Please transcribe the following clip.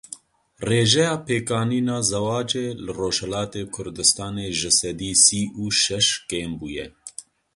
Rêjeya pêkanîna zewacê li Rojhilatê Kurdistanê ji sedî sî û şeş kêm bûye.